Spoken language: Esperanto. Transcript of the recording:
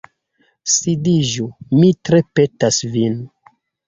Sidiĝu, mi tre petas vin.